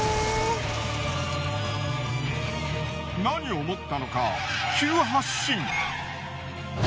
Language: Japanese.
何を思ったのか急発進。